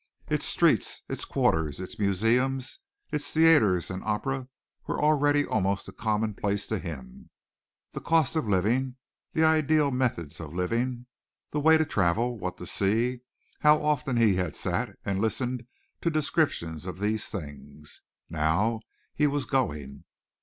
Its streets, its quarters, its museums, its theatres and opera were already almost a commonplace to him. The cost of living, the ideal methods of living, the way to travel, what to see how often he had sat and listened to descriptions of these things. Now he was going.